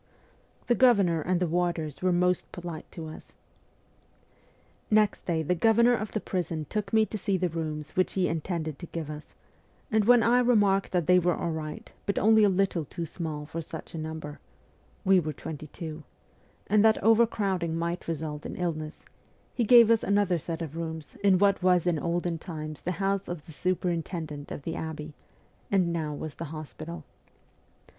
The governor and the warders were most polite to us. WESTERN EUROPE 273 Next day the governor of the prison took me to see the rooms which he intended to give us, and when I remarked that they were all right but only a little too small for such a number we were twenty two and that overcrowding might result in illness, he gave us another set of rooms in what was in olden times the house of the superintendent of the abbey, and now was the hospital.